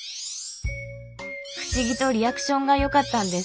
不思議とリアクションがよかったんです。